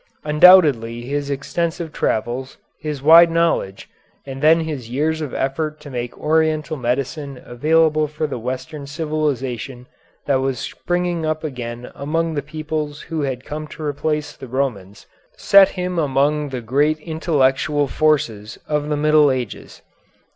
Undoubtedly his extensive travels, his wide knowledge, and then his years of effort to make Oriental medicine available for the Western civilization that was springing up again among the peoples who had come to replace the Romans, set him among the great intellectual forces of the Middle Ages.